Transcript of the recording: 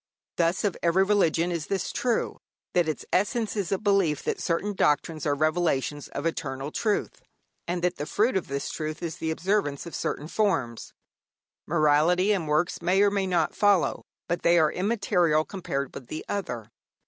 Thus of every religion is this true, that its essence is a belief that certain doctrines are revelations of eternal truth, and that the fruit of this truth is the observance of certain forms. Morality and works may or may not follow, but they are immaterial compared with the other.